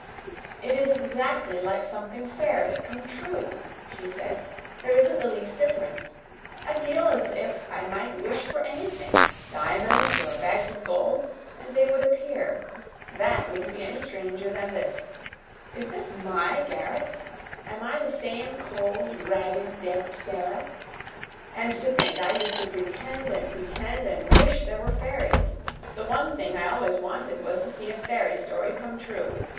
"It is exactly like something fairy come true," she said. "There isn't the least difference. I feel as if I might wish for anything diamonds or bags of gold and they would appear! THAT wouldn't be any stranger than this. Is this my garret? Am I the same cold, ragged, damp Sara? And to think I used to pretend and pretend and wish there were fairies! The one thing I always wanted was to see a fairy story come true.